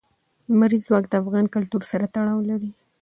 لمریز ځواک د افغان کلتور سره تړاو لري.